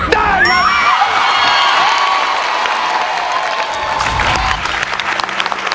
ได้แล้ว